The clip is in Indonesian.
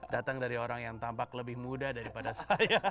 datang dari orang yang tampak lebih muda daripada saya